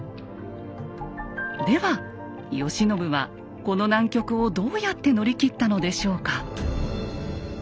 では慶喜はこの難局をどうやって乗り切ったのでしょうか。